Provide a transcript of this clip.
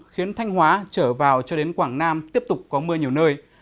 khiến thanh hóa trở vào cho đến quảng nam tiếp tục có mưa nhiều nơi